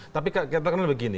tapi katakanlah begini